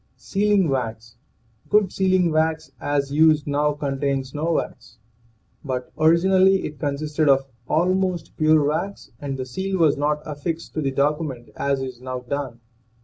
SEALING WAX. Good sealing wax, as used now, con tains no wax. But originally it consisted of almost pure wax, and the seal was not affixed to the document as is now done.